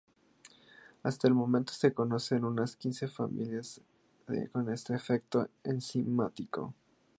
Hasta el momento se conocen unas quince familias con este defecto enzimático.